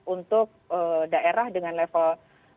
untuk daerah dengan level tiga dua satu